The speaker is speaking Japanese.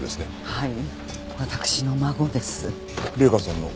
はい。